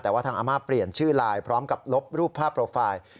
แต่ว่าทางอาม่าเปลี่ยนชื่อไลน์พร้อมกับลบรูปภาพโปรไฟล์